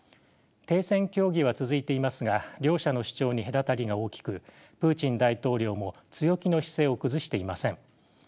停戦協議は続いていますが両者の主張に隔たりが大きくプーチン大統領も強気の姿勢を崩していません。